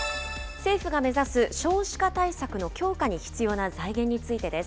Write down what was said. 政府が目指す少子化対策の強化に必要な財源についてです。